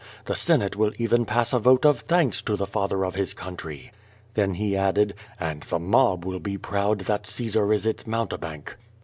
The Senate will even pass a vote of thanks to the Father of his country.'* Then he added: "And the mob will be proud that Caesar is its mountebank."